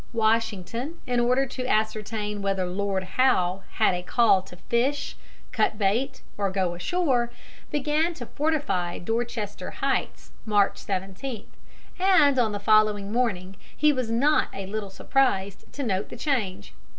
Washington, in order to ascertain whether Lord Howe had a call to fish, cut bait, or go ashore, began to fortify Dorchester Heights, March 17, and on the following morning he was not a little surprised to note the change.